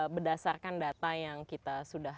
berdasarkan data yang kita sudah